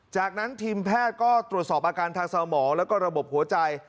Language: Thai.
จากนั้นทีมแพทย์ก็ตรวจสอบอาการทางสมองแล้วก็ระบบหัวใจ